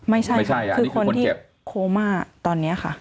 ไม่ใช่คือคนที่โคม่าตอนนี้ค่ะ